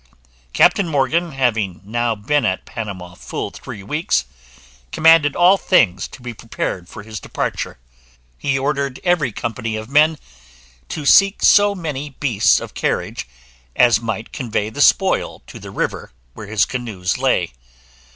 Captain Morgan having now been at Panama full three weeks, commanded all things to be prepared for his departure. He ordered every company of men to seek so many beasts of carriage as might convey the spoil to the river where his canoes lay.